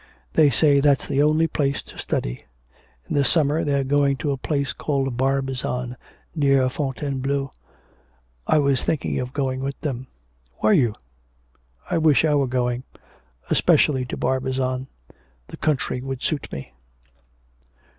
They say that's the only place to study. In the summer they're going to a place called Barbizon, near Fontainebleau. I was thinking of going with them.' 'Were you? I wish I were going. Especially to Barbizon. The country would suit me.'